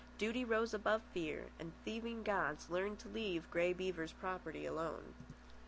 Duty rose above fear, and thieving gods learned to leave Grey Beaver's property alone.